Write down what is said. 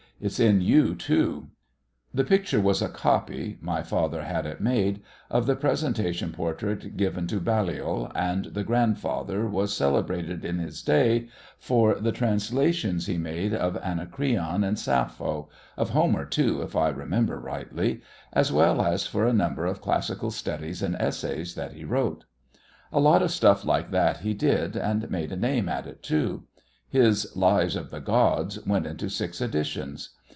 "It's in you too." The picture was a copy my father had it made of the presentation portrait given to Baliol, and "the grandfather" was celebrated in his day for the translations he made of Anacreon and Sappho, of Homer, too, if I remember rightly, as well as for a number of classical studies and essays that he wrote. A lot of stuff like that he did, and made a name at it too. His Lives of the Gods went into six editions.